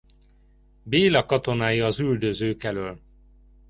Béla katonái az üldözők elől.